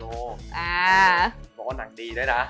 บอกว่าหนังดีด้วยนะ